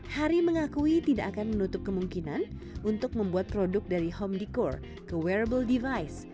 harry mengakui tidak akan menutup kemungkinan untuk membuat produk dari home decor ke werable device